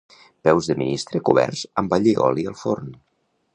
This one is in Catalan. Peus de ministre coberts amb allioli al forn